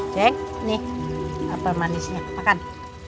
ceng nih apel manisnya makan